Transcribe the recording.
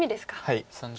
はい。